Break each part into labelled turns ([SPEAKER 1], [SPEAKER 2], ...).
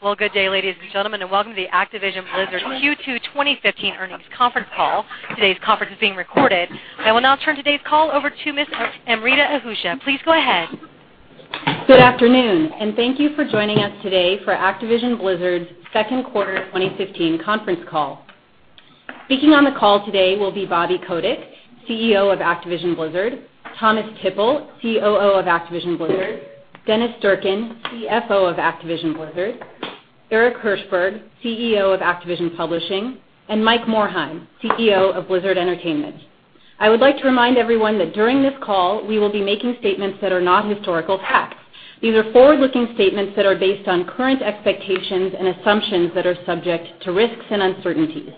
[SPEAKER 1] Well, good day, ladies and gentlemen, and welcome to the Activision Blizzard Q2 2015 earnings conference call. Today's conference is being recorded. I will now turn today's call over to Miss Amrita Ahuja. Please go ahead.
[SPEAKER 2] Good afternoon, and thank you for joining us today for Activision Blizzard's second quarter 2015 conference call. Speaking on the call today will be Bobby Kotick, CEO of Activision Blizzard; Thomas Tippl, COO of Activision Blizzard; Dennis Durkin, CFO of Activision Blizzard; Eric Hirshberg, CEO of Activision Publishing; and Mike Morhaime, CEO of Blizzard Entertainment. I would like to remind everyone that during this call, we will be making statements that are not historical facts. These are forward-looking statements that are based on current expectations and assumptions that are subject to risks and uncertainties.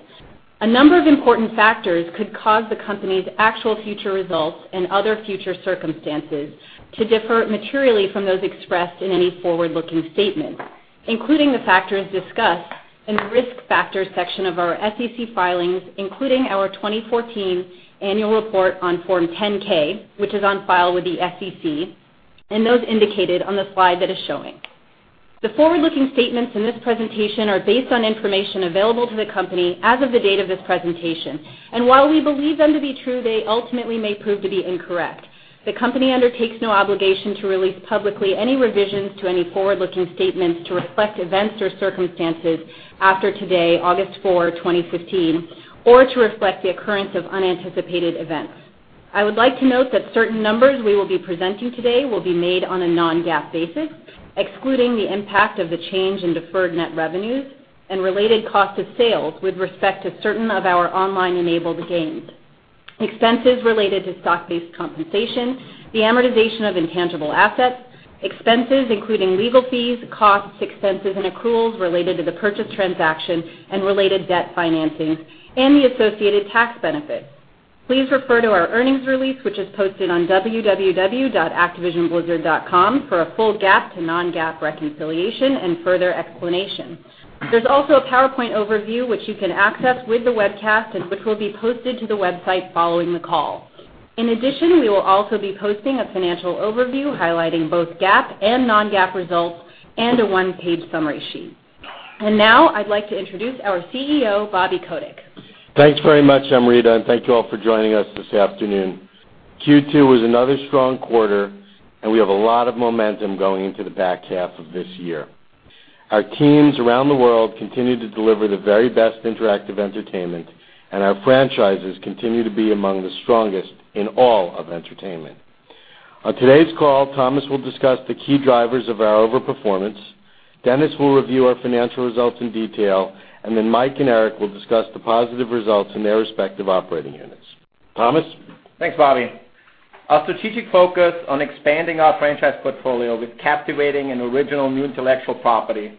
[SPEAKER 2] A number of important factors could cause the company's actual future results and other future circumstances to differ materially from those expressed in any forward-looking statements, including the factors discussed in the Risk Factors section of our SEC filings, including our 2014 Annual Report on Form 10-K, which is on file with the SEC, and those indicated on the slide that is showing. The forward-looking statements in this presentation are based on information available to the company as of the date of this presentation, and while we believe them to be true, they ultimately may prove to be incorrect. The company undertakes no obligation to release publicly any revisions to any forward-looking statements to reflect events or circumstances after today, August 4, 2015, or to reflect the occurrence of unanticipated events. I would like to note that certain numbers we will be presenting today will be made on a non-GAAP basis, excluding the impact of the change in deferred net revenues and related cost of sales with respect to certain of our online-enabled games, expenses related to stock-based compensation, the amortization of intangible assets, expenses including legal fees, costs, expenses, and accruals related to the purchase transaction and related debt financings, and the associated tax benefits. Please refer to our earnings release, which is posted on www.activisionblizzard.com for a full GAAP to non-GAAP reconciliation and further explanation. There's also a PowerPoint overview, which you can access with the webcast and which will be posted to the website following the call. In addition, we will also be posting a financial overview highlighting both GAAP and non-GAAP results and a one-page summary sheet. Now I'd like to introduce our CEO, Bobby Kotick.
[SPEAKER 3] Thanks very much, Amrita. Thank you all for joining us this afternoon. Q2 was another strong quarter. We have a lot of momentum going into the back half of this year. Our teams around the world continue to deliver the very best interactive entertainment. Our franchises continue to be among the strongest in all of entertainment. On today's call, Thomas will discuss the key drivers of our overperformance, Dennis will review our financial results in detail. Mike and Eric will discuss the positive results in their respective operating units. Thomas?
[SPEAKER 4] Thanks, Bobby. Our strategic focus on expanding our franchise portfolio with captivating and original new intellectual property,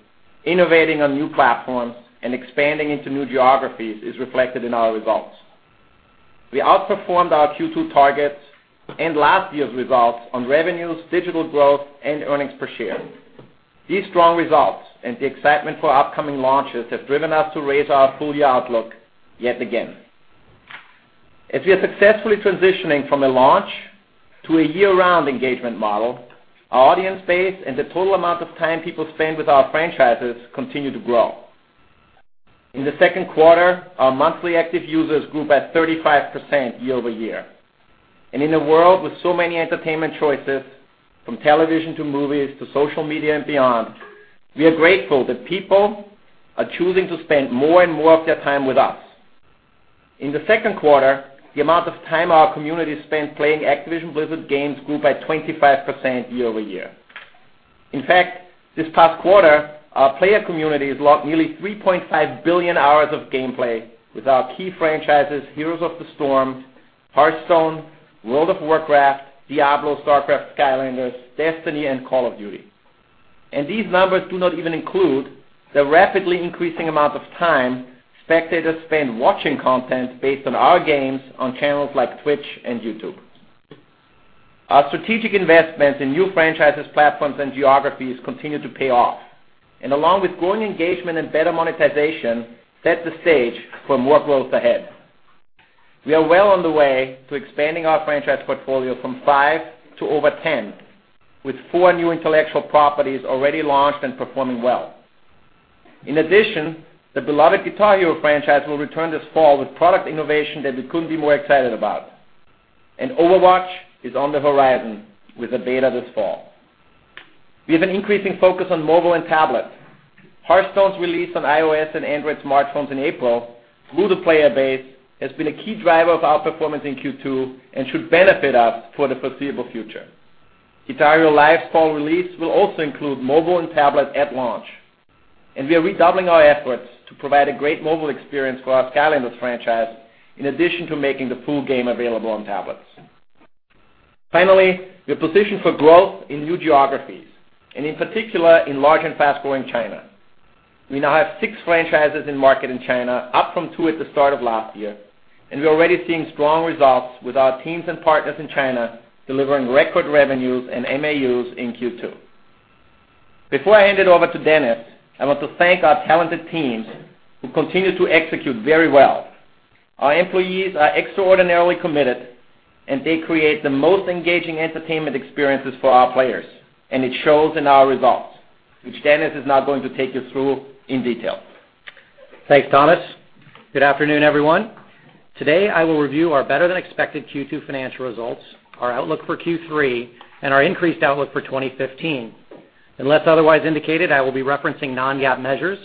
[SPEAKER 4] innovating on new platforms, and expanding into new geographies is reflected in our results. We outperformed our Q2 targets and last year's results on revenues, digital growth, and earnings per share. These strong results and the excitement for upcoming launches have driven us to raise our full-year outlook yet again. As we are successfully transitioning from a launch to a year-round engagement model, our audience base and the total amount of time people spend with our franchises continue to grow. In the second quarter, our monthly active users grew by 35% year-over-year. In a world with so many entertainment choices, from television to movies to social media and beyond, we are grateful that people are choosing to spend more and more of their time with us. In the second quarter, the amount of time our community spent playing Activision Blizzard games grew by 25% year-over-year. In fact, this past quarter, our player community has logged nearly 3.5 billion hours of gameplay with our key franchises, "Heroes of the Storm," "Hearthstone," "World of Warcraft," "Diablo," "StarCraft," "Skylanders," "Destiny," and "Call of Duty." These numbers do not even include the rapidly increasing amount of time spectators spend watching content based on our games on channels like Twitch and YouTube. Our strategic investments in new franchises, platforms, and geographies continue to pay off. Along with growing engagement and better monetization, set the stage for more growth ahead. We are well on the way to expanding our franchise portfolio from five to over 10, with four new intellectual properties already launched and performing well. In addition, the beloved "Guitar Hero" franchise will return this fall with product innovation that we couldn't be more excited about. "Overwatch" is on the horizon with a beta this fall. We have an increasing focus on mobile and tablet. "Hearthstone's" release on iOS and Android smartphones in April grew the player base, has been a key driver of our performance in Q2. Should benefit us for the foreseeable future. "Guitar Hero Live's" fall release will also include mobile and tablet at launch. We are redoubling our efforts to provide a great mobile experience for our "Skylanders" franchise, in addition to making the full game available on tablets. Finally, we are positioned for growth in new geographies, in particular, in large and fast-growing China. We now have six franchises in-market in China, up from two at the start of last year. We're already seeing strong results with our teams and partners in China delivering record revenues and MAUs in Q2. Before I hand it over to Dennis, I want to thank our talented teams who continue to execute very well. Our employees are extraordinarily committed. They create the most engaging entertainment experiences for our players, and it shows in our results, which Dennis is now going to take you through in detail.
[SPEAKER 5] Thanks, Thomas. Good afternoon, everyone. Today, I will review our better-than-expected Q2 financial results, our outlook for Q3, and our increased outlook for 2015. Unless otherwise indicated, I will be referencing non-GAAP measures.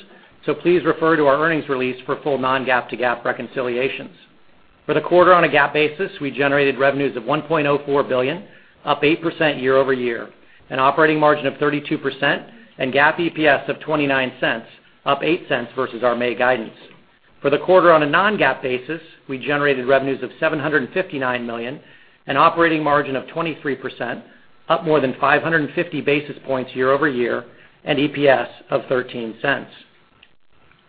[SPEAKER 5] Please refer to our earnings release for full non-GAAP to GAAP reconciliations. For the quarter on a GAAP basis, we generated revenues of $1.04 billion, up 8% year-over-year, an operating margin of 32%, and GAAP EPS of $0.29, up $0.08 versus our May guidance. For the quarter on a non-GAAP basis, we generated revenues of $759 million, an operating margin of 23%, up more than 550 basis points year-over-year, and EPS of $0.13.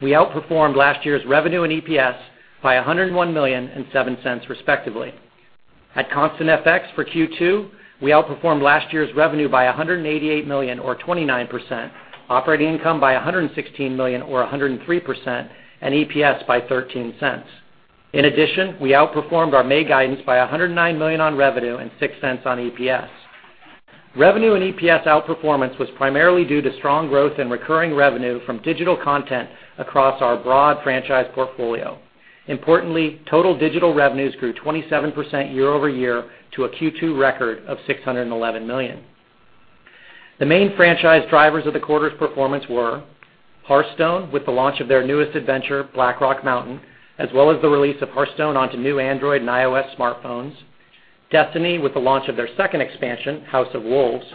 [SPEAKER 5] We outperformed last year's revenue and EPS by $101 million and $0.07 respectively. At constant FX for Q2, we outperformed last year's revenue by $188 million or 29%, operating income by $116 million or 103%, and EPS by $0.13. In addition, we outperformed our May guidance by $109 million on revenue and $0.06 on EPS. Revenue and EPS outperformance was primarily due to strong growth in recurring revenue from digital content across our broad franchise portfolio. Importantly, total digital revenues grew 27% year-over-year to a Q2 record of $611 million. The main franchise drivers of the quarter's performance were Hearthstone, with the launch of their newest adventure, Blackrock Mountain, as well as the release of Hearthstone onto new Android and iOS smartphones; Destiny, with the launch of their second expansion, House of Wolves;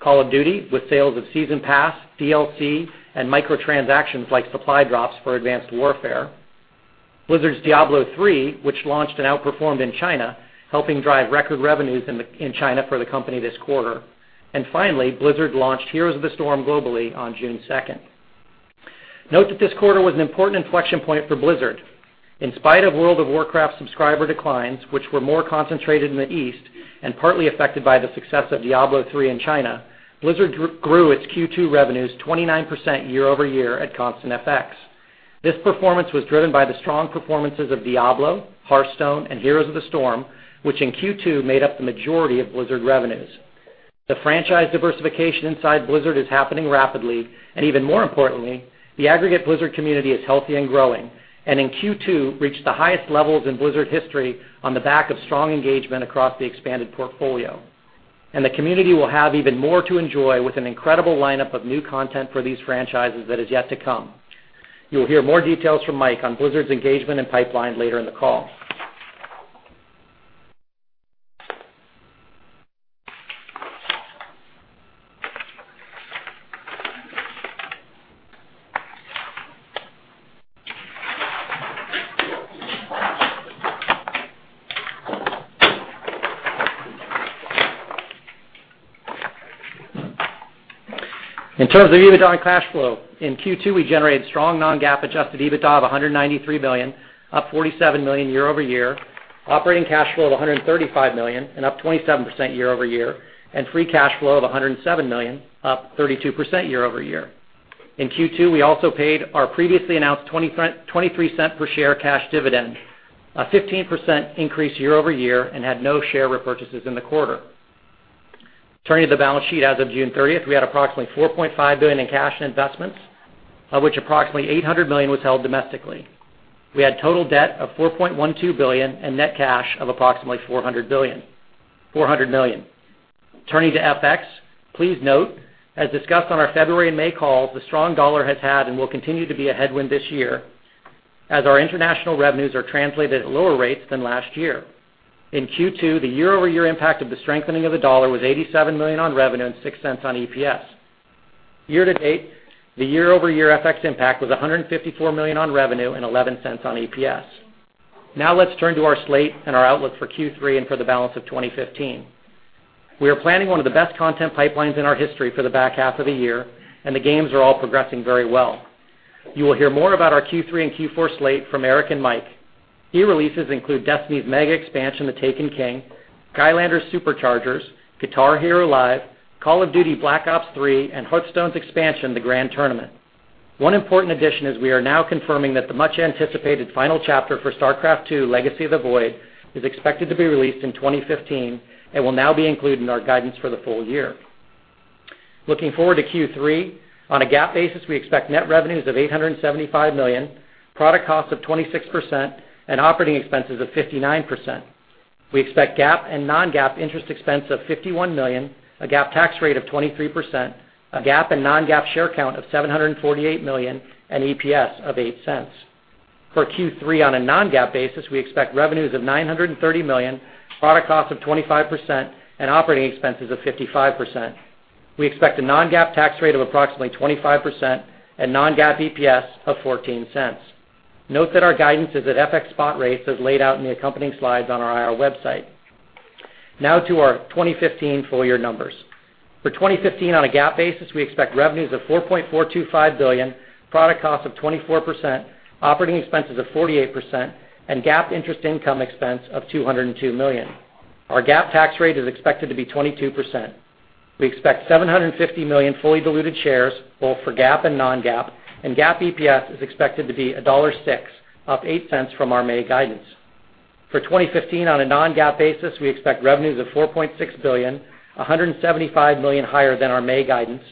[SPEAKER 5] Call of Duty, with sales of Season Pass, DLC, and microtransactions like Supply Drops for Advanced Warfare. Blizzard's Diablo III, which launched and outperformed in China, helping drive record revenues in China for the company this quarter. Finally, Blizzard launched Heroes of the Storm globally on June 2nd. Note that this quarter was an important inflection point for Blizzard. In spite of World of Warcraft subscriber declines, which were more concentrated in the East and partly affected by the success of Diablo III in China, Blizzard grew its Q2 revenues 29% year-over-year at constant FX. This performance was driven by the strong performances of Diablo, Hearthstone, and Heroes of the Storm, which in Q2 made up the majority of Blizzard revenues. The franchise diversification inside Blizzard is happening rapidly. Even more importantly, the aggregate Blizzard community is healthy and growing, and in Q2 reached the highest levels in Blizzard history on the back of strong engagement across the expanded portfolio. The community will have even more to enjoy with an incredible lineup of new content for these franchises that is yet to come. You will hear more details from Mike on Blizzard's engagement and pipeline later in the call. In terms of EBITDA and cash flow, in Q2, we generated strong non-GAAP adjusted EBITDA of $193 million, up $47 million year-over-year, operating cash flow of $135 million and up 27% year-over-year, and free cash flow of $107 million, up 32% year-over-year. In Q2, we also paid our previously announced $0.23 per share cash dividend, a 15% increase year-over-year, and had no share repurchases in the quarter. Turning to the balance sheet, as of June 30th, we had approximately $4.5 billion in cash and investments, of which approximately $800 million was held domestically. We had total debt of $4.12 billion and net cash of approximately $400 million. Turning to FX, please note, as discussed on our February and May calls, the strong dollar has had and will continue to be a headwind this year as our international revenues are translated at lower rates than last year. In Q2, the year-over-year impact of the strengthening of the dollar was $87 million on revenue and $0.06 on EPS. Year-to-date, the year-over-year FX impact was $154 million on revenue and $0.11 on EPS. Now let's turn to our slate and our outlook for Q3 and for the balance of 2015. The games are all progressing very well. You will hear more about our Q3 and Q4 slate from Eric and Mike. New releases include Destiny: The Taken King, Skylanders: SuperChargers, Guitar Hero Live, Call of Duty: Black Ops III, and Hearthstone's expansion, The Grand Tournament. One important addition is we are now confirming that the much-anticipated final chapter for StarCraft II: Legacy of the Void, is expected to be released in 2015 and will now be included in our guidance for the full year. Looking forward to Q3, on a GAAP basis, we expect net revenues of $875 million, product costs of 26%, and operating expenses of 59%. We expect GAAP and non-GAAP interest expense of $51 million, a GAAP tax rate of 23%, a GAAP and non-GAAP share count of 748 million, and EPS of $0.08. For Q3 on a non-GAAP basis, we expect revenues of $930 million, product costs of 25%, and operating expenses of 55%. We expect a non-GAAP tax rate of approximately 25% and non-GAAP EPS of $0.14. Note that our guidance is at FX spot rates as laid out in the accompanying slides on our IR website. To our 2015 full year numbers. For 2015, on a GAAP basis, we expect revenues of $4.425 billion, product costs of 24%, operating expenses of 48%, and GAAP interest income expense of $202 million. Our GAAP tax rate is expected to be 22%. We expect 750 million fully diluted shares, both for GAAP and non-GAAP, and GAAP EPS is expected to be $1.06, up $0.08 from our May guidance. For 2015, on a non-GAAP basis, we expect revenues of $4.6 billion, $175 million higher than our May guidance,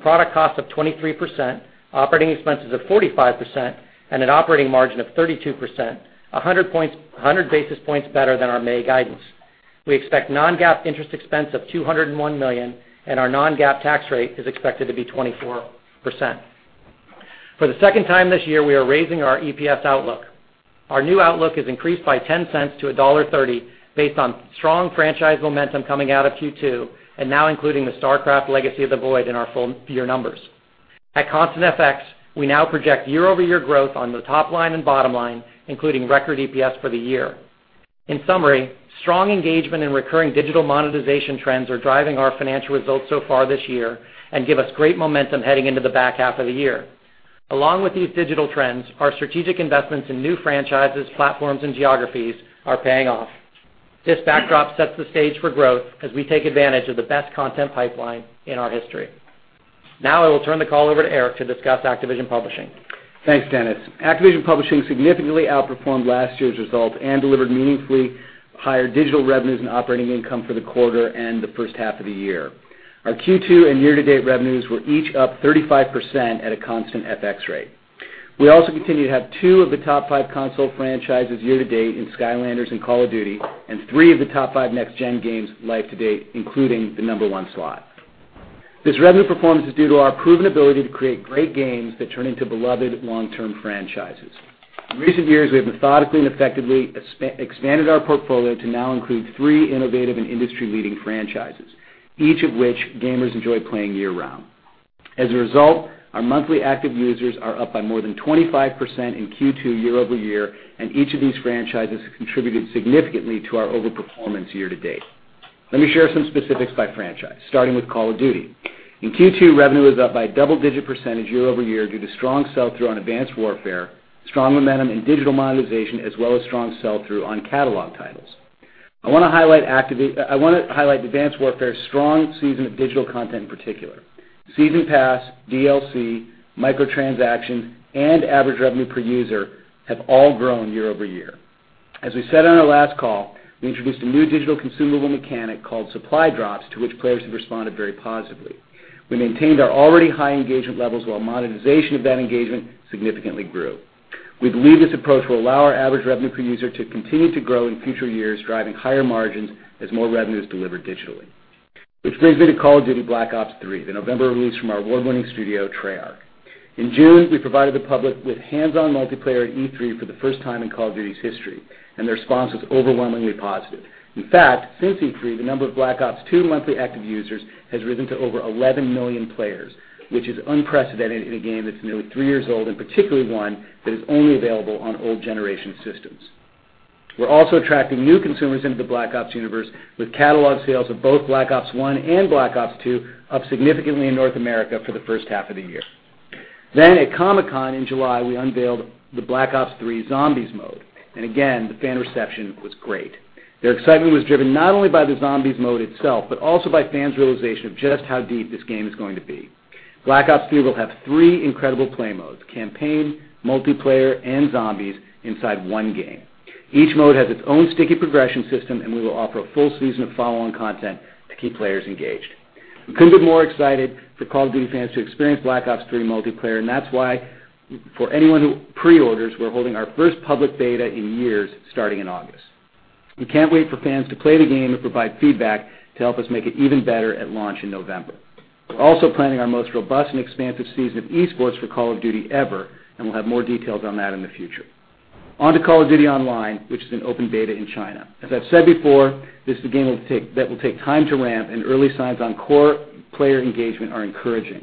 [SPEAKER 5] product cost of 23%, operating expenses of 45%, and an operating margin of 32%, 100 basis points better than our May guidance. We expect non-GAAP interest expense of $201 million, and our non-GAAP tax rate is expected to be 24%. For the second time this year, we are raising our EPS outlook. Our new outlook is increased by $0.10 to $1.30 based on strong franchise momentum coming out of Q2, and now including StarCraft II: Legacy of the Void in our full year numbers. At constant FX, we now project year-over-year growth on the top line and bottom line, including record EPS for the year. In summary, strong engagement in recurring digital monetization trends are driving our financial results so far this year, and give us great momentum heading into the back half of the year. Along with these digital trends, our strategic investments in new franchises, platforms, and geographies are paying off. This backdrop sets the stage for growth as we take advantage of the best content pipeline in our history. Now, I will turn the call over to Eric to discuss Activision Publishing.
[SPEAKER 6] Thanks, Dennis. Activision Publishing significantly outperformed last year's results and delivered meaningfully higher digital revenues and operating income for the quarter and the first half of the year. Our Q2 and year-to-date revenues were each up 35% at a constant FX rate. We also continue to have two of the top five console franchises year-to-date in Skylanders and Call of Duty, and three of the top five next-gen games live to date, including the number one slot. This revenue performance is due to our proven ability to create great games that turn into beloved long-term franchises. In recent years, we have methodically and effectively expanded our portfolio to now include three innovative and industry-leading franchises, each of which gamers enjoy playing year-round. As a result, our monthly active users are up by more than 25% in Q2 year-over-year, and each of these franchises contributed significantly to our overperformance year-to-date. Let me share some specifics by franchise, starting with Call of Duty. In Q2, revenue was up by a double-digit percentage year-over-year due to strong sell-through on Advanced Warfare, strong momentum in digital monetization, as well as strong sell-through on catalog titles. I want to highlight Advanced Warfare's strong season of digital content particular. Season Pass, DLC, microtransaction, and average revenue per user have all grown year-over-year. As we said on our last call, we introduced a new digital consumable mechanic called Supply Drops, to which players have responded very positively. We maintained our already high engagement levels while monetization of that engagement significantly grew. We believe this approach will allow our average revenue per user to continue to grow in future years, driving higher margins as more revenue is delivered digitally. Which brings me to Call of Duty: Black Ops III, the November release from our award-winning studio, Treyarch. In June, we provided the public with hands-on multiplayer E3 for the first time in Call of Duty's history, the response was overwhelmingly positive. In fact, since E3, the number of Black Ops II monthly active users has risen to over 11 million players, which is unprecedented in a game that's nearly three years old, and particularly one that is only available on old generation systems. We're also attracting new consumers into the Black Ops universe with catalog sales of both Black Ops I and Black Ops II up significantly in North America for the first half of the year. At Comic-Con in July, we unveiled the Black Ops III Zombies mode. Again, the fan reception was great. Their excitement was driven not only by the Zombies mode itself, but also by fans' realization of just how deep this game is going to be. Black Ops III will have three incredible play modes, campaign, multiplayer, and Zombies inside one game. Each mode has its own sticky progression system, and we will offer a full season of follow-on content to keep players engaged. We couldn't be more excited for Call of Duty fans to experience Black Ops III multiplayer, that's why for anyone who pre-orders, we're holding our first public beta in years starting in August. We can't wait for fans to play the game and provide feedback to help us make it even better at launch in November. We're also planning our most robust and expansive season of esports for Call of Duty ever, we'll have more details on that in the future. On to Call of Duty: Online, which is in open beta in China. As I've said before, this is a game that will take time to ramp, early signs on core player engagement are encouraging.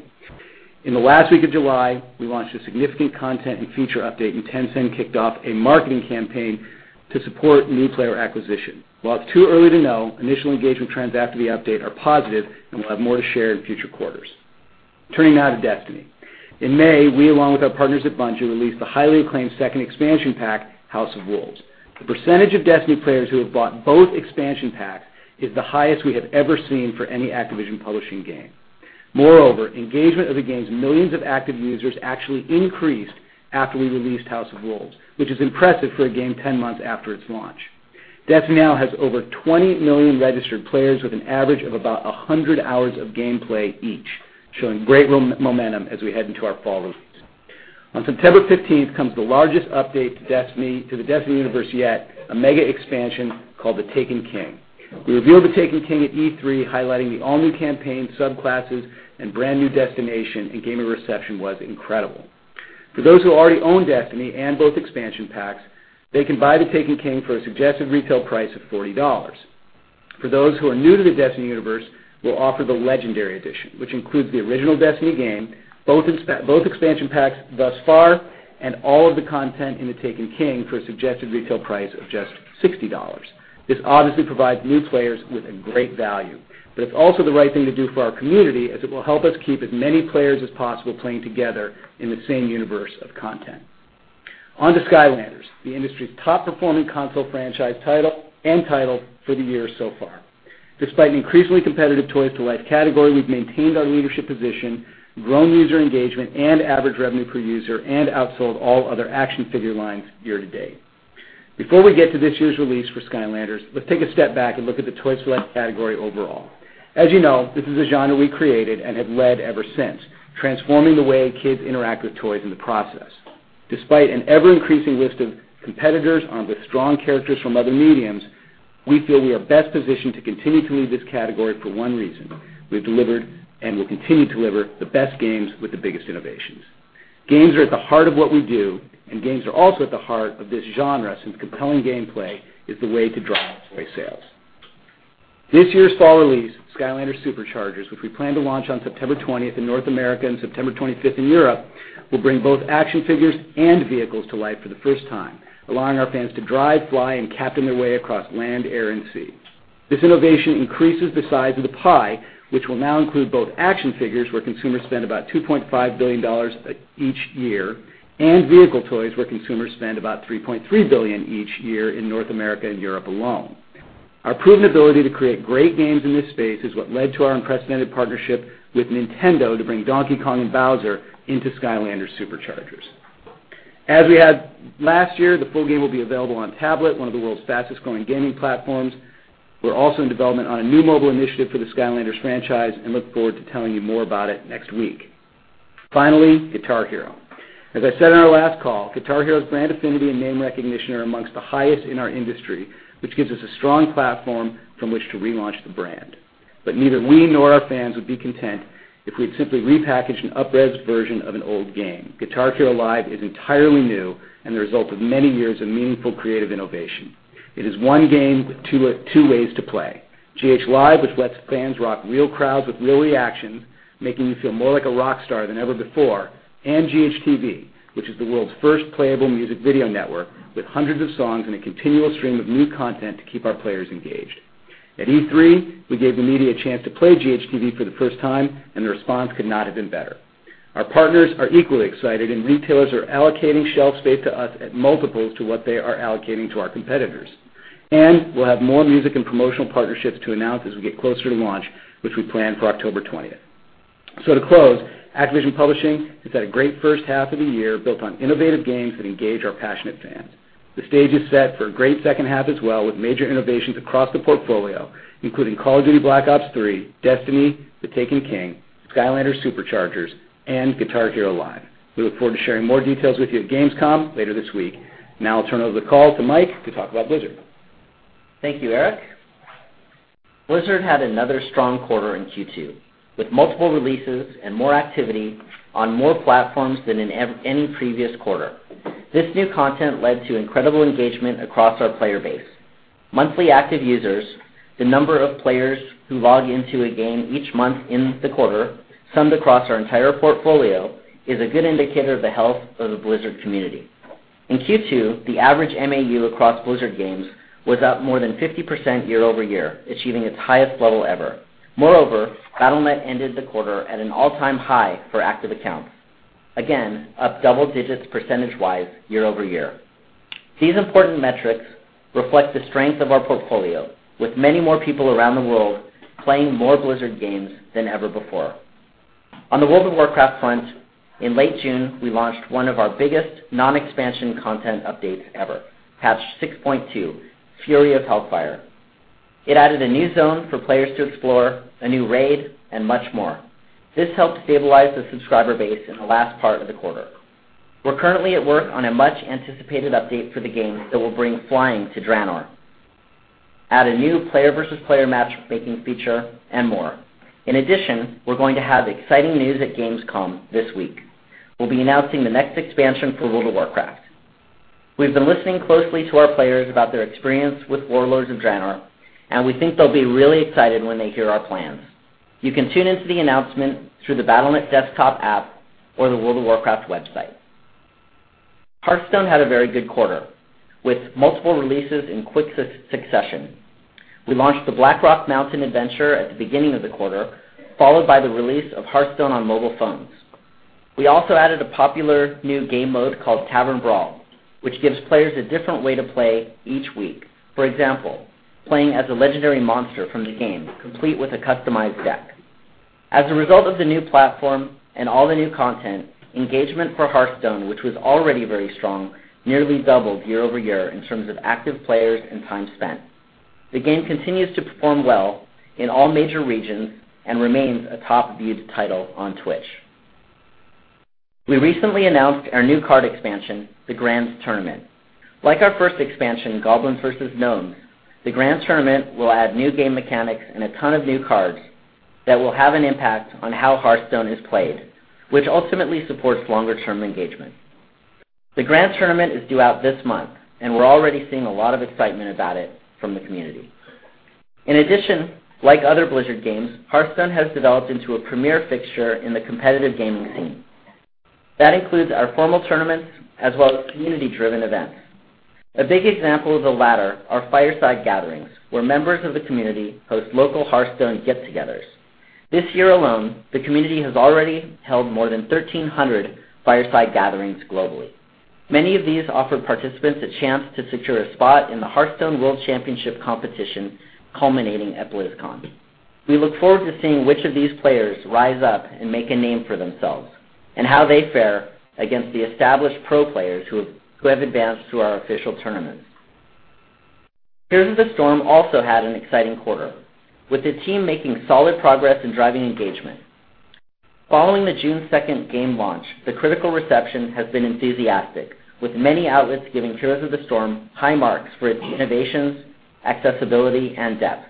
[SPEAKER 6] In the last week of July, we launched a significant content and feature update, Tencent kicked off a marketing campaign to support new player acquisition. While it's too early to know, initial engagement trends after the update are positive, we'll have more to share in future quarters. Turning now to Destiny. In May, we, along with our partners at Bungie, released the highly acclaimed second expansion pack, House of Wolves. The percentage of Destiny players who have bought both expansion packs is the highest we have ever seen for any Activision Publishing game. Moreover, engagement of the game's millions of active users actually increased after we released House of Wolves, which is impressive for a game 10 months after its launch. Destiny now has over 20 million registered players with an average of about 100 hours of gameplay each, showing great momentum as we head into our fall release. On September 15th comes the largest update to the Destiny universe yet, a mega expansion called The Taken King. We revealed The Taken King at E3, highlighting the all-new campaign, subclasses, and brand-new destination, gamer reception was incredible. For those who already own Destiny and both expansion packs, they can buy The Taken King for a suggested retail price of $40. For those who are new to the Destiny universe, we'll offer the Legendary Edition, which includes the original Destiny game, both expansion packs thus far, and all of the content in The Taken King for a suggested retail price of just $60. This obviously provides new players with a great value, but it's also the right thing to do for our community as it will help us keep as many players as possible playing together in the same universe of content. On to Skylanders, the industry's top-performing console franchise and title for the year so far. Despite an increasingly competitive toys-to-life category, we've maintained our leadership position, grown user engagement, and average revenue per user, and outsold all other action figure lines year to date. Before we get to this year's release for Skylanders, let's take a step back and look at the toys-to-life category overall. As you know, this is a genre we created and have led ever since, transforming the way kids interact with toys in the process. Despite an ever-increasing list of competitors armed with strong characters from other mediums, we feel we are best positioned to continue to lead this category for one reason: we've delivered, and will continue to deliver, the best games with the biggest innovations. Games are at the heart of what we do, and games are also at the heart of this genre, since compelling gameplay is the way to drive toy sales. This year's fall release, Skylanders SuperChargers, which we plan to launch on September 20th in North America and September 25th in Europe, will bring both action figures and vehicles to life for the first time, allowing our fans to drive, fly, and captain their way across land, air, and sea. This innovation increases the size of the pie, which will now include both action figures, where consumers spend about $2.5 billion each year, and vehicle toys, where consumers spend about $3.3 billion each year in North America and Europe alone. Our proven ability to create great games in this space is what led to our unprecedented partnership with Nintendo to bring Donkey Kong and Bowser into Skylanders SuperChargers. As we had last year, the full game will be available on tablet, one of the world's fastest-growing gaming platforms. We're also in development on a new mobile initiative for the Skylanders franchise and look forward to telling you more about it next week. Finally, Guitar Hero. As I said on our last call, Guitar Hero's brand affinity and name recognition are amongst the highest in our industry, which gives us a strong platform from which to relaunch the brand. Neither we nor our fans would be content if we had simply repackaged an up-rezzed version of an old game. Guitar Hero Live is entirely new and the result of many years of meaningful creative innovation. It is one game with two ways to play. GH Live, which lets fans rock real crowds with real reactions, making you feel more like a rock star than ever before, and GHTV, which is the world's first playable music video network with hundreds of songs and a continual stream of new content to keep our players engaged. At E3, we gave the media a chance to play GHTV for the first time, and the response could not have been better. Our partners are equally excited, and retailers are allocating shelf space to us at multiples to what they are allocating to our competitors. We'll have more music and promotional partnerships to announce as we get closer to launch, which we plan for October 20th. To close, Activision Publishing has had a great first half of the year built on innovative games that engage our passionate fans. The stage is set for a great second half as well, with major innovations across the portfolio, including Call of Duty: Black Ops III, Destiny: The Taken King, Skylanders SuperChargers, and Guitar Hero Live. We look forward to sharing more details with you at Gamescom later this week. I'll turn over the call to Mike to talk about Blizzard.
[SPEAKER 7] Thank you, Eric. Blizzard had another strong quarter in Q2, with multiple releases and more activity on more platforms than in any previous quarter. This new content led to incredible engagement across our player base. Monthly active users, the number of players who log into a game each month in the quarter, summed across our entire portfolio, is a good indicator of the health of the Blizzard community. In Q2, the average MAU across Blizzard games was up more than 50% year-over-year, achieving its highest level ever. Moreover, Battle.net ended the quarter at an all-time high for active accounts. Again, up double digits percentage-wise year-over-year. These important metrics reflect the strength of our portfolio, with many more people around the world playing more Blizzard games than ever before. On the World of Warcraft front, in late June, we launched one of our biggest non-expansion content updates ever, Patch 6.2, Fury of Hellfire. It added a new zone for players to explore, a new raid, and much more. This helped stabilize the subscriber base in the last part of the quarter. We're currently at work on a much-anticipated update for the game that will bring flying to Draenor, add a new player versus player matchmaking feature, and more. In addition, we're going to have exciting news at Gamescom this week. We'll be announcing the next expansion for World of Warcraft. We've been listening closely to our players about their experience with Warlords of Draenor, and we think they'll be really excited when they hear our plans. You can tune into the announcement through the Battle.net desktop app or the World of Warcraft website. Hearthstone had a very good quarter, with multiple releases in quick succession. We launched the Blackrock Mountain Adventure at the beginning of the quarter, followed by the release of Hearthstone on mobile phones. We also added a popular new game mode called Tavern Brawl, which gives players a different way to play each week. For example, playing as a legendary monster from the game, complete with a customized deck. As a result of the new platform and all the new content, engagement for Hearthstone, which was already very strong, nearly doubled year-over-year in terms of active players and time spent. The game continues to perform well in all major regions and remains a top-viewed title on Twitch. We recently announced our new card expansion, The Grand Tournament. Like our first expansion, Goblins vs Gnomes, The Grand Tournament will add new game mechanics and a ton of new cards that will have an impact on how Hearthstone is played, which ultimately supports longer-term engagement. The Grand Tournament is due out this month, and we're already seeing a lot of excitement about it from the community. In addition, like other Blizzard games, Hearthstone has developed into a premier fixture in the competitive gaming scene. That includes our formal tournaments as well as community-driven events. A big example of the latter are Fireside Gatherings, where members of the community host local Hearthstone get-togethers. This year alone, the community has already held more than 1,300 Fireside Gatherings globally. Many of these offer participants a chance to secure a spot in the Hearthstone World Championship competition, culminating at BlizzCon. We look forward to seeing which of these players rise up and make a name for themselves, and how they fare against the established pro players who have advanced through our official tournaments. Heroes of the Storm also had an exciting quarter, with the team making solid progress in driving engagement. Following the June 2nd game launch, the critical reception has been enthusiastic, with many outlets giving Heroes of the Storm high marks for its innovations, accessibility, and depth.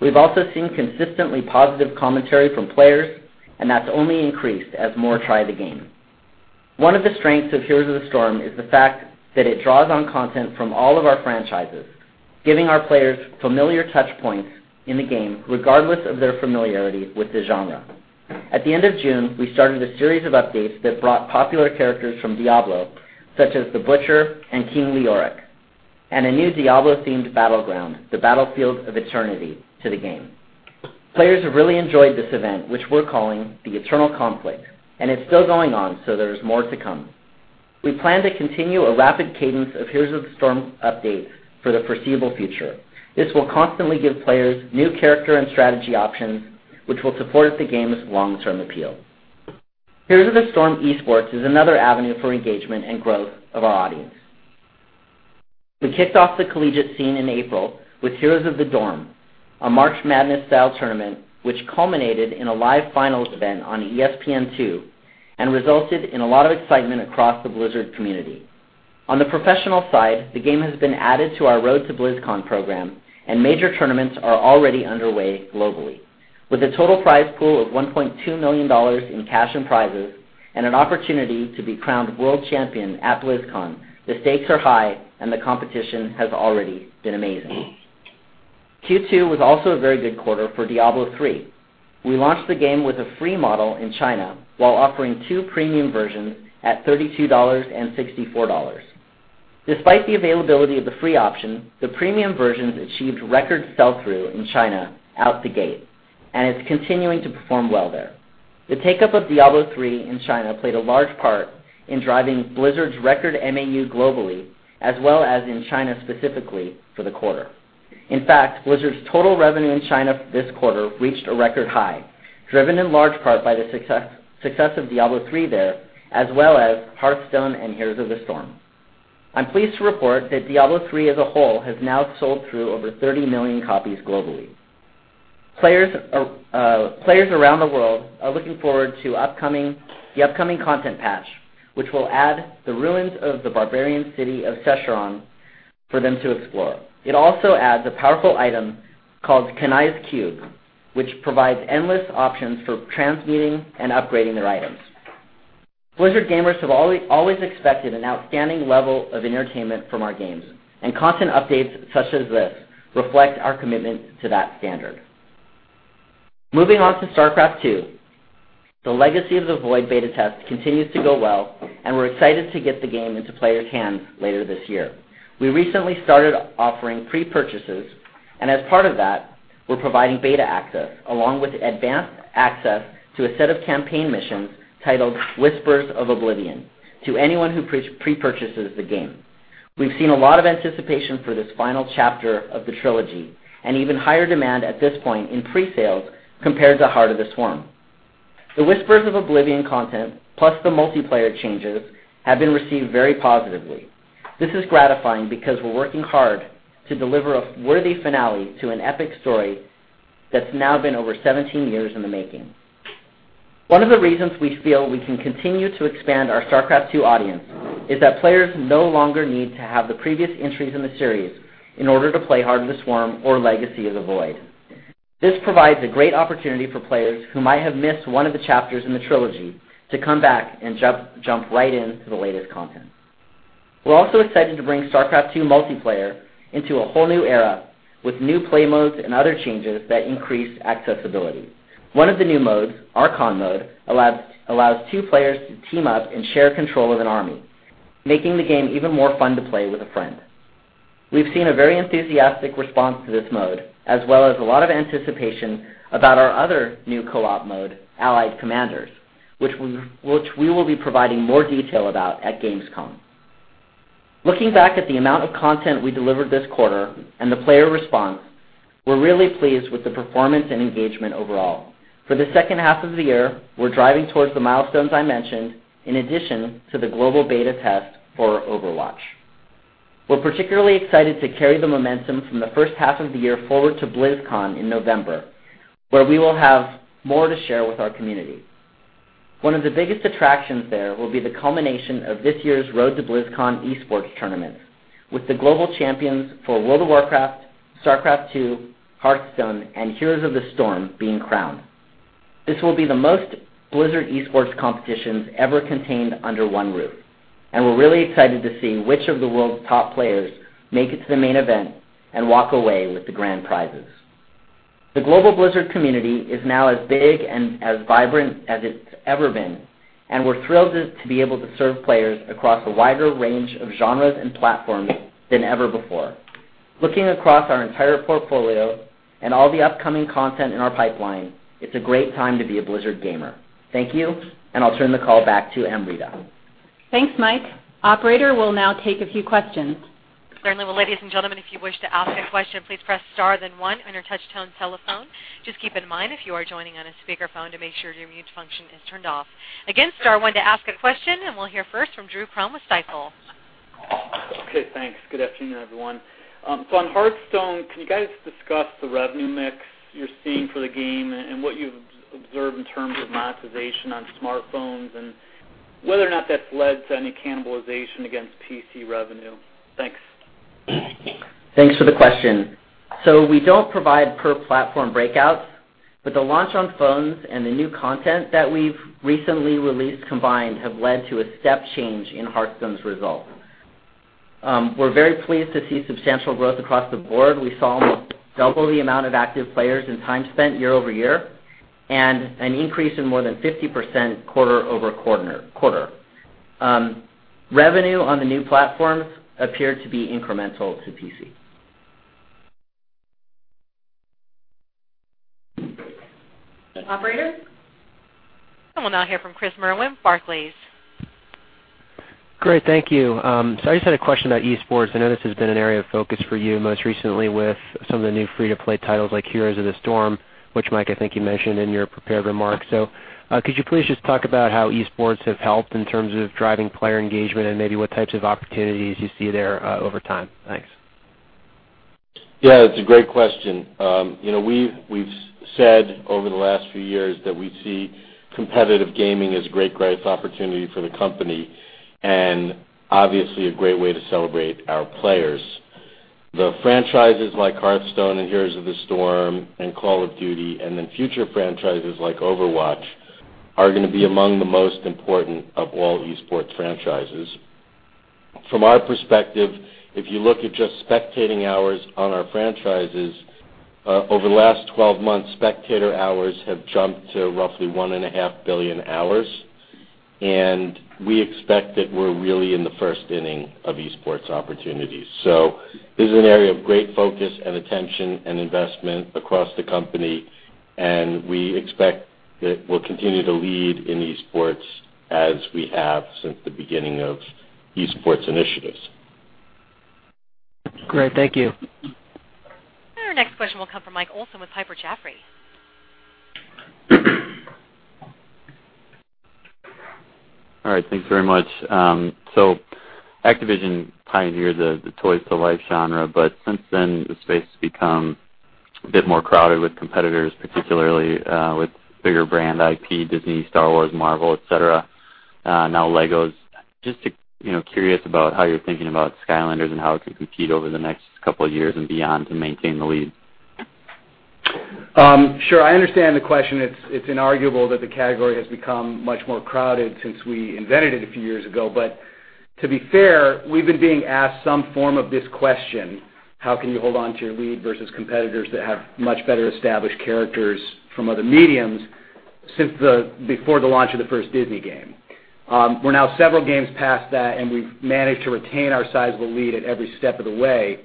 [SPEAKER 7] We've also seen consistently positive commentary from players, and that's only increased as more try the game. One of the strengths of Heroes of the Storm is the fact that it draws on content from all of our franchises, giving our players familiar touchpoints in the game regardless of their familiarity with the genre. At the end of June, we started a series of updates that brought popular characters from Diablo, such as The Butcher and King Leoric, and a new Diablo-themed battleground, the Battlefields of Eternity, to the game. Players have really enjoyed this event, which we're calling the Eternal Conflict, and it's still going on, so there's more to come. We plan to continue a rapid cadence of Heroes of the Storm updates for the foreseeable future. This will constantly give players new character and strategy options, which will support the game's long-term appeal. Heroes of the Storm esports is another avenue for engagement and growth of our audience. We kicked off the collegiate scene in April with Heroes of the Dorm, a March Madness-style tournament, which culminated in a live finals event on ESPN2 and resulted in a lot of excitement across the Blizzard community. On the professional side, the game has been added to our Road to BlizzCon program, and major tournaments are already underway globally. With a total prize pool of $1.2 million in cash and prizes, and an opportunity to be crowned world champion at BlizzCon, the stakes are high, and the competition has already been amazing. Q2 was also a very good quarter for Diablo III. We launched the game with a free model in China while offering two premium versions at $32 and $64. Despite the availability of the free option, the premium versions achieved record sell-through in China out the gate and it's continuing to perform well there. The take-up of Diablo III in China played a large part in driving Blizzard's record MAU globally, as well as in China specifically for the quarter. Blizzard's total revenue in China this quarter reached a record high, driven in large part by the success of Diablo III there, as well as Hearthstone and Heroes of the Storm. I'm pleased to report that Diablo III as a whole has now sold through over 30 million copies globally. Players around the world are looking forward to the upcoming content patch, which will add the ruins of the barbarian city of Sescheron for them to explore. It also adds a powerful item called Kanai's Cube, which provides endless options for transmuting and upgrading their items. Blizzard gamers have always expected an outstanding level of entertainment from our games, and content updates such as this reflect our commitment to that standard. Moving on to StarCraft II. The Legacy of the Void beta test continues to go well. We're excited to get the game into players' hands later this year. We recently started offering pre-purchases, as part of that, we're providing beta access, along with advanced access to a set of campaign missions titled Whispers of Oblivion, to anyone who pre-purchases the game. We've seen a lot of anticipation for this final chapter of the trilogy, even higher demand at this point in pre-sales compared to Heart of the Swarm. The Whispers of Oblivion content, plus the multiplayer changes, have been received very positively. This is gratifying because we're working hard to deliver a worthy finale to an epic story that's now been over 17 years in the making. One of the reasons we feel we can continue to expand our StarCraft II audience is that players no longer need to have the previous entries in the series in order to play Heart of the Swarm or Legacy of the Void. This provides a great opportunity for players who might have missed one of the chapters in the trilogy to come back and jump right into the latest content. We're also excited to bring StarCraft II multiplayer into a whole new era with new play modes and other changes that increase accessibility. One of the new modes, Archon Mode, allows two players to team up and share control of an army, making the game even more fun to play with a friend. We've seen a very enthusiastic response to this mode, as well as a lot of anticipation about our other new co-op mode, Allied Commanders, which we will be providing more detail about at Gamescom. Looking back at the amount of content we delivered this quarter and the player response, we're really pleased with the performance and engagement overall. For the second half of the year, we're driving towards the milestones I mentioned in addition to the global beta test for Overwatch. We're particularly excited to carry the momentum from the first half of the year forward to BlizzCon in November, where we will have more to share with our community. One of the biggest attractions there will be the culmination of this year's Road to BlizzCon esports tournament, with the global champions for World of Warcraft, StarCraft II, Hearthstone, and Heroes of the Storm being crowned. This will be the most Blizzard esports competitions ever contained under one roof. We're really excited to see which of the world's top players make it to the main event and walk away with the grand prizes. The global Blizzard community is now as big and as vibrant as it's ever been. We're thrilled to be able to serve players across a wider range of genres and platforms than ever before. Looking across our entire portfolio and all the upcoming content in our pipeline, it's a great time to be a Blizzard gamer. Thank you, and I'll turn the call back to Amrita.
[SPEAKER 1] Thanks, Mike. Operator, we'll now take a few questions. Certainly. Well, ladies and gentlemen, if you wish to ask a question, please press star then one on your touch tone telephone. Just keep in mind, if you are joining on a speakerphone, to make sure your mute function is turned off. Again, star one to ask a question. We'll hear first from Drew Crum with Stifel.
[SPEAKER 8] Okay, thanks. Good afternoon, everyone. On Hearthstone, can you guys discuss the revenue mix you're seeing for the game and what you've observed in terms of monetization on smartphones and whether or not that's led to any cannibalization against PC revenue? Thanks.
[SPEAKER 7] Thanks for the question. We don't provide per platform breakouts. The launch on phones and the new content that we've recently released combined have led to a step change in Hearthstone's results. We're very pleased to see substantial growth across the board. We saw almost double the amount of active players and time spent year-over-year, and an increase in more than 50% quarter-over-quarter. Revenue on the new platforms appear to be incremental to PC.
[SPEAKER 2] Operator? We'll now hear from Chris Merwin, Barclays.
[SPEAKER 9] Great. Thank you. I just had a question about e-sports. I know this has been an area of focus for you, most recently with some of the new free-to-play titles like Heroes of the Storm, which, Mike, I think you mentioned in your prepared remarks. Could you please just talk about how e-sports have helped in terms of driving player engagement and maybe what types of opportunities you see there over time? Thanks.
[SPEAKER 3] Yeah, it's a great question. We've said over the last few years that we see competitive gaming as a great growth opportunity for the company and obviously a great way to celebrate our players. The franchises like Hearthstone and Heroes of the Storm and Call of Duty and then future franchises like Overwatch are going to be among the most important of all e-sports franchises. From our perspective, if you look at just spectating hours on our franchises, over the last 12 months, spectator hours have jumped to roughly 1.5 billion hours, and we expect that we're really in the first inning of e-sports opportunities. This is an area of great focus and attention and investment across the company, and we expect that we'll continue to lead in e-sports as we have since the beginning of e-sports initiatives.
[SPEAKER 9] Great. Thank you.
[SPEAKER 1] Our next question will come from Michael Olson with Piper Jaffray.
[SPEAKER 10] All right, thanks very much. Activision pioneered the toys-to-life genre, but since then, the space has become a bit more crowded with competitors, particularly with bigger brand IP, Disney, Star Wars, Marvel, et cetera. Now LEGO. Just curious about how you're thinking about Skylanders and how it can compete over the next couple of years and beyond to maintain the lead.
[SPEAKER 6] Sure. I understand the question. It's inarguable that the category has become much more crowded since we invented it a few years ago. To be fair, we've been being asked some form of this question, "How can you hold onto your lead versus competitors that have much better established characters from other mediums?" before the launch of the first Disney game. We're now several games past that, and we've managed to retain our sizable lead at every step of the way.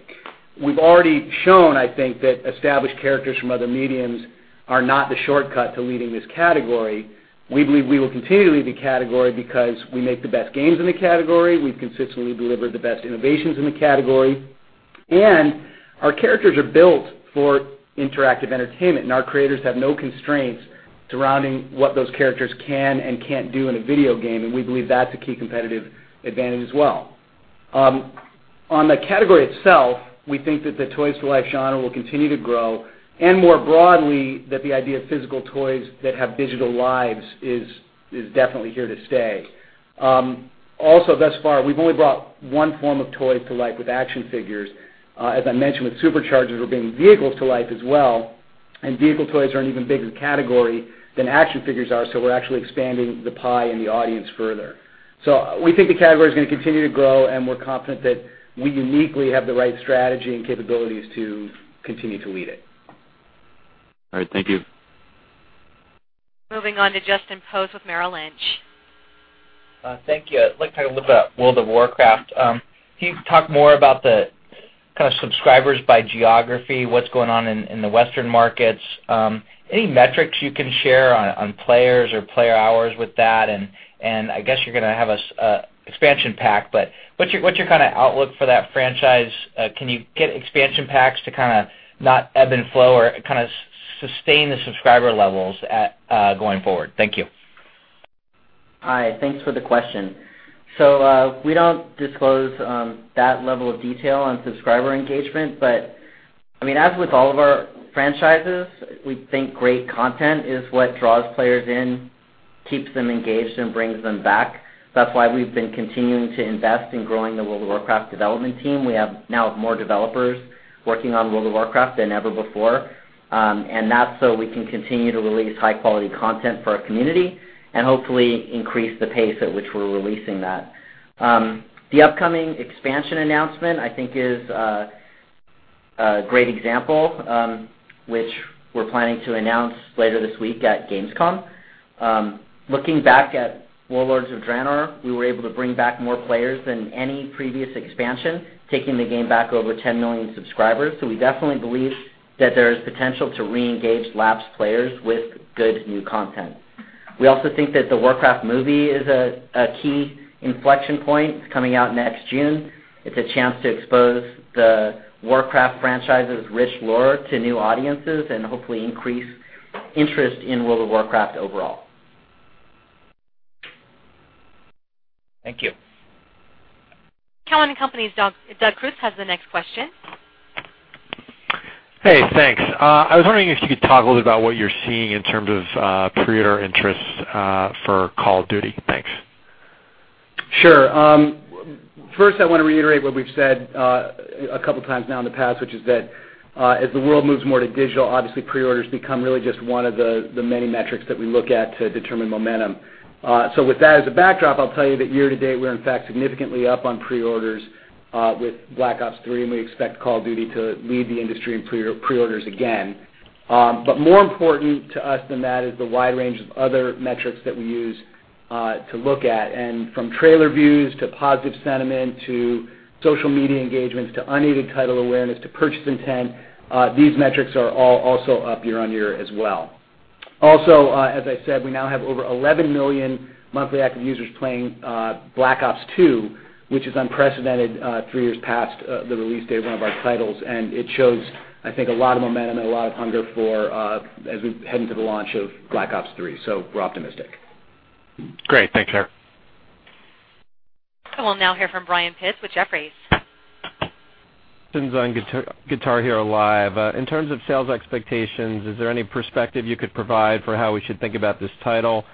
[SPEAKER 6] We've already shown, I think, that established characters from other mediums are not the shortcut to leading this category. We believe we will continue to lead the category because we make the best games in the category, we've consistently delivered the best innovations in the category. Our characters are built for interactive entertainment, and our creators have no constraints surrounding what those characters can and can't do in a video game, and we believe that's a key competitive advantage as well. On the category itself, we think that the toys-to-life genre will continue to grow, and more broadly, that the idea of physical toys that have digital lives is definitely here to stay. Thus far, we've only brought one form of toys-to-life with action figures. As I mentioned, with SuperChargers, we're bringing vehicles to life as well. Vehicle toys are an even bigger category than action figures are, we're actually expanding the pie and the audience further. We think the category is going to continue to grow, and we're confident that we uniquely have the right strategy and capabilities to continue to lead it.
[SPEAKER 10] All right. Thank you.
[SPEAKER 1] Moving on to Justin Post with Merrill Lynch.
[SPEAKER 11] Thank you. I'd like to talk a little about World of Warcraft. Can you talk more about the kind of subscribers by geography, what's going on in the Western markets? Any metrics you can share on players or player hours with that? I guess you're going to have a expansion pack, but what's your kind of outlook for that franchise? Can you get expansion packs to kind of not ebb and flow or kind of sustain the subscriber levels going forward? Thank you.
[SPEAKER 7] Hi. Thanks for the question. We don't disclose that level of detail on subscriber engagement. As with all of our franchises, we think great content is what draws players in, keeps them engaged, and brings them back. That's why we've been continuing to invest in growing the World of Warcraft development team. We have now more developers working on World of Warcraft than ever before. That's so we can continue to release high-quality content for our community and hopefully increase the pace at which we're releasing that. The upcoming expansion announcement, I think, is a great example, which we're planning to announce later this week at Gamescom. Looking back at Warlords of Draenor, we were able to bring back more players than any previous expansion, taking the game back over 10 million subscribers. We definitely believe that there is potential to re-engage lapsed players with good new content. We also think that the Warcraft movie is a key inflection point. It's coming out next June. It's a chance to expose the Warcraft franchise's rich lore to new audiences and hopefully increase interest in World of Warcraft overall.
[SPEAKER 11] Thank you.
[SPEAKER 1] Cowen and Company's Doug Creutz has the next question.
[SPEAKER 12] Hey, thanks. I was wondering if you could talk a little about what you're seeing in terms of pre-order interest for Call of Duty. Thanks.
[SPEAKER 6] Sure. First, I want to reiterate what we've said a couple of times now in the past, which is that as the world moves more to digital, obviously pre-orders become really just one of the many metrics that we look at to determine momentum. With that as a backdrop, I'll tell you that year-to-date, we're in fact significantly up on pre-orders with Black Ops III, and we expect Call of Duty to lead the industry in pre-orders again. More important to us than that is the wide range of other metrics that we use to look at. From trailer views to positive sentiment, to social media engagements, to unaided title awareness, to purchase intent, these metrics are all also up year-on-year as well. Also, as I said, we now have over 11 million monthly active users playing Black Ops II, which is unprecedented three years past the release date of one of our titles. It shows, I think, a lot of momentum and a lot of hunger as we head into the launch of Black Ops III. We're optimistic.
[SPEAKER 12] Great. Thanks, Eric.
[SPEAKER 1] We'll now hear from Brian Pitz with Jefferies.
[SPEAKER 13] On Guitar Hero Live, in terms of sales expectations, is there any perspective you could provide for how we should think about this title?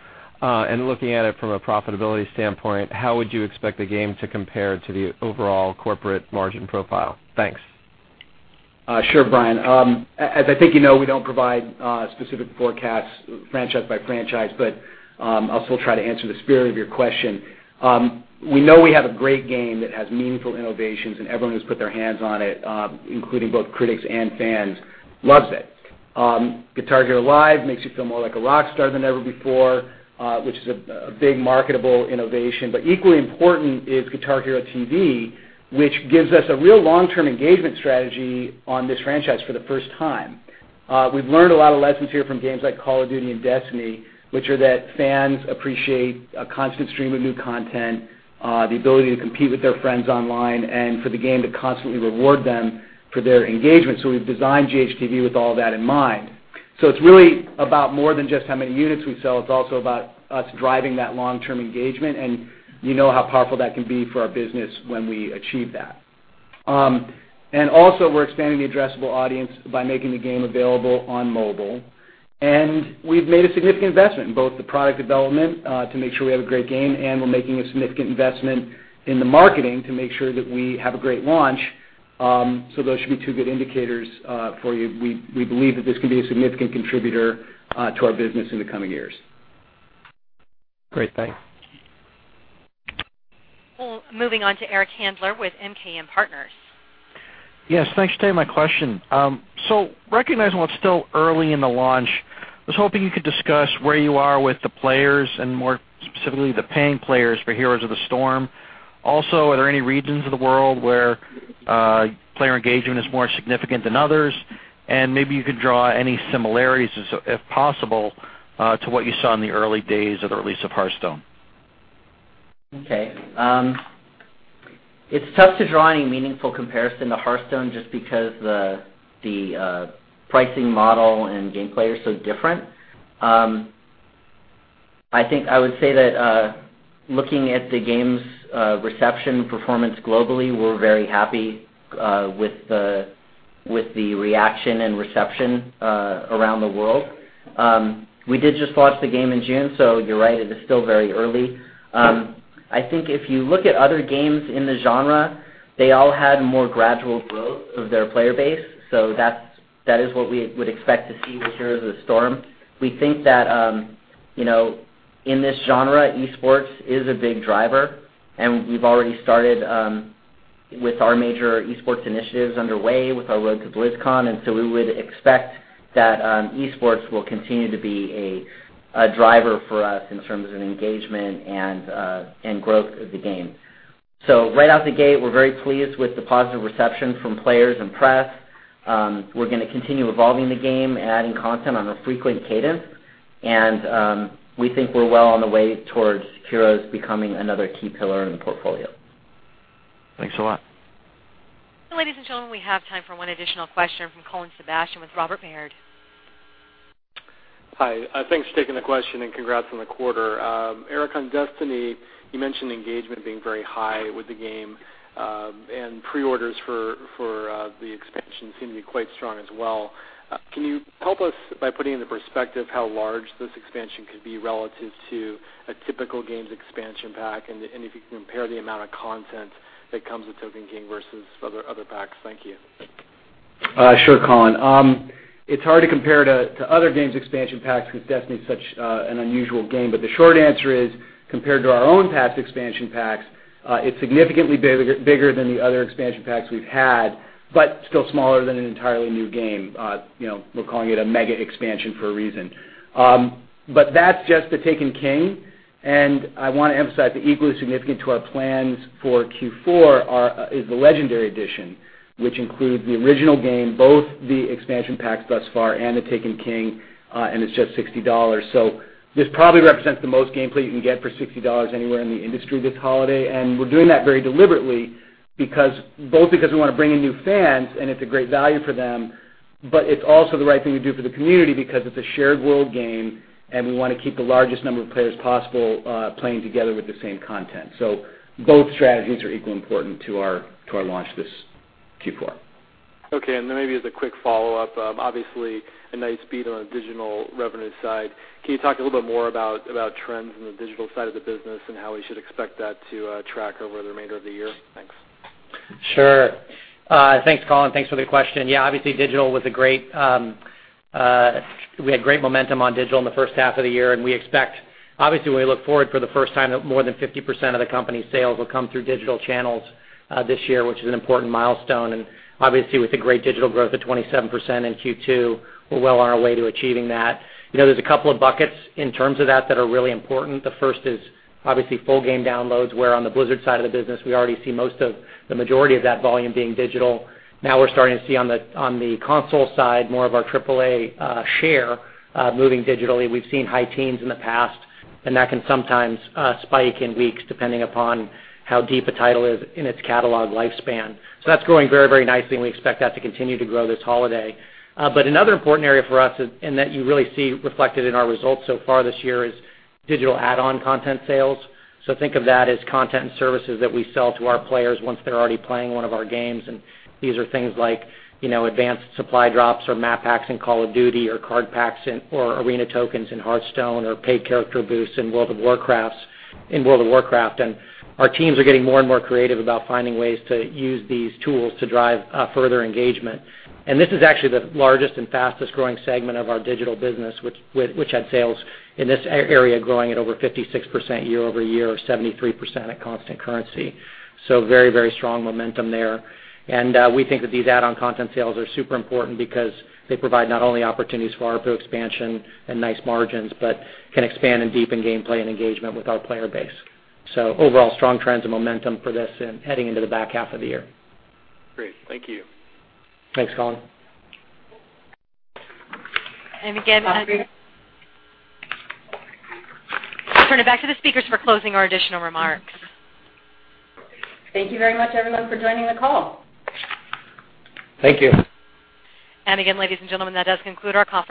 [SPEAKER 13] Looking at it from a profitability standpoint, how would you expect the game to compare to the overall corporate margin profile? Thanks.
[SPEAKER 6] Sure, Brian. As I think you know, we don't provide specific forecasts franchise by franchise, I'll still try to answer the spirit of your question. We know we have a great game that has meaningful innovations, everyone who's put their hands on it, including both critics and fans, loves it. Guitar Hero Live makes you feel more like a rock star than ever before, which is a big marketable innovation. Equally important is Guitar Hero TV, which gives us a real long-term engagement strategy on this franchise for the first time. We've learned a lot of lessons here from games like Call of Duty and Destiny, which are that fans appreciate a constant stream of new content, the ability to compete with their friends online, and for the game to constantly reward them for their engagement. We've designed GHTV with all that in mind. It's really about more than just how many units we sell. It's also about us driving that long-term engagement, you know how powerful that can be for our business when we achieve that. Also, we're expanding the addressable audience by making the game available on mobile. We've made a significant investment in both the product development to make sure we have a great game, and we're making a significant investment in the marketing to make sure that we have a great launch. Those should be two good indicators for you. We believe that this can be a significant contributor to our business in the coming years.
[SPEAKER 13] Great, thanks.
[SPEAKER 1] Moving on to Eric Handler with MKM Partners.
[SPEAKER 14] Yes, thanks for taking my question. Recognizing while it's still early in the launch, I was hoping you could discuss where you are with the players and more specifically, the paying players for Heroes of the Storm. Are there any regions of the world where player engagement is more significant than others? Maybe you could draw any similarities, if possible, to what you saw in the early days of the release of Hearthstone.
[SPEAKER 7] Okay. It's tough to draw any meaningful comparison to Hearthstone just because the pricing model and gameplay are so different. I think I would say that looking at the game's reception performance globally, we're very happy with the reaction and reception around the world. We did just launch the game in June, you're right, it is still very early. I think if you look at other games in the genre, they all had more gradual growth of their player base. That is what we would expect to see with Heroes of the Storm. We think that in this genre, esports is a big driver, we've already started with our major esports initiatives underway with our Road to BlizzCon, we would expect that esports will continue to be a driver for us in terms of engagement and growth of the game. Right out the gate, we're very pleased with the positive reception from players and press. We're going to continue evolving the game and adding content on a frequent cadence. We think we're well on the way towards Heroes becoming another key pillar in the portfolio.
[SPEAKER 14] Thanks a lot.
[SPEAKER 1] Ladies and gentlemen, we have time for one additional question from Colin Sebastian with Robert Baird.
[SPEAKER 15] Hi, thanks for taking the question and congrats on the quarter. Eric, on Destiny, you mentioned engagement being very high with the game, and pre-orders for the expansion seem to be quite strong as well. Can you help us by putting into perspective how large this expansion could be relative to a typical games expansion pack? If you can compare the amount of content that comes with The Taken King versus other packs. Thank you.
[SPEAKER 6] Sure, Colin.
[SPEAKER 5] The short answer is, compared to our own past expansion packs, it's significantly bigger than the other expansion packs we've had, but still smaller than an entirely new game. We're calling it a mega expansion for a reason. That's just "The Taken King," and I want to emphasize that equally significant to our plans for Q4 is the Legendary Edition, which includes the original game, both the expansion packs thus far, and "The Taken King," and it's just $60. This probably represents the most gameplay you can get for $60 anywhere in the industry this holiday. We're doing that very deliberately, both because we want to bring in new fans, and it's a great value for them, but it's also the right thing to do for the community because it's a shared world game, and we want to keep the largest number of players possible playing together with the same content. Both strategies are equally important to our launch this Q4.
[SPEAKER 15] Okay. Then maybe as a quick follow-up, obviously a nice beat on the digital revenue side. Can you talk a little bit more about trends in the digital side of the business and how we should expect that to track over the remainder of the year? Thanks.
[SPEAKER 5] Sure. Thanks, Colin. Thanks for the question. Yeah, obviously we had great momentum on digital in the first half of the year. Obviously, we look forward for the first time that more than 50% of the company's sales will come through digital channels this year, which is an important milestone. Obviously, with the great digital growth of 27% in Q2, we're well on our way to achieving that. There's a couple of buckets in terms of that that are really important. The first is obviously full game downloads, where on the Blizzard side of the business, we already see most of the majority of that volume being digital. Now we're starting to see on the console side more of our triple A share moving digitally. We've seen high teens in the past, and that can sometimes spike in weeks depending upon how deep a title is in its catalog lifespan. That's growing very nicely, and we expect that to continue to grow this holiday. Another important area for us, and that you really see reflected in our results so far this year, is digital add-on content sales. Think of that as content and services that we sell to our players once they're already playing one of our games. These are things like advanced Supply Drops or map packs in "Call of Duty" or card packs or arena tokens in "Hearthstone" or paid character boosts in "World of Warcraft" and our teams are getting more and more creative about finding ways to use these tools to drive further engagement. This is actually the largest and fastest-growing segment of our digital business, which had sales in this area growing at over 56% year-over-year or 73% at constant currency. Very strong momentum there. We think that these add-on content sales are super important because they provide not only opportunities for ARPU expansion and nice margins, but can expand and deepen gameplay and engagement with our player base. Overall, strong trends and momentum for this heading into the back half of the year.
[SPEAKER 15] Great. Thank you.
[SPEAKER 5] Thanks, Colin.
[SPEAKER 1] Again, Bobby? Turn it back to the speakers for closing or additional remarks.
[SPEAKER 2] Thank you very much, everyone, for joining the call.
[SPEAKER 5] Thank you.
[SPEAKER 1] again, ladies and gentlemen, that does conclude our conference call.